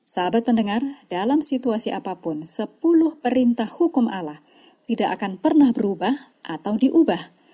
sahabat pendengar dalam situasi apapun sepuluh perintah hukum allah tidak akan pernah berubah atau diubah